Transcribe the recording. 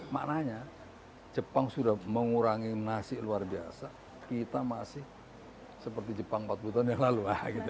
maknanya jepang sudah mengurangi nasi luar biasa kita masih seperti jepang empat puluh tahun yang lalu